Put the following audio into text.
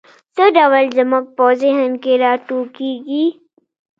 څه ډول زموږ په ذهن کې را ټوکېږي؟